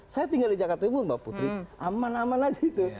saya tinggal di jakarta timur mbak putri aman aman aja itu